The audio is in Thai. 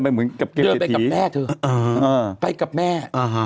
คุณบ้านแม่